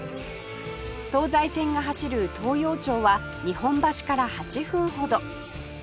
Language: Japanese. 東西線が走る東陽町は日本橋から８分ほど